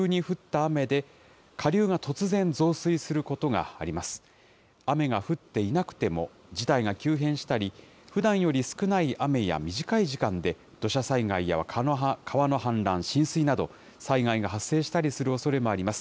雨が降っていなくても、事態が急変したり、ふだんより少ない雨や短い時間で、土砂災害や川の氾濫、浸水など、災害が発生したりするおそれがあります。